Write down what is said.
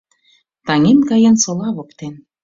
Таҥем каен сола воктен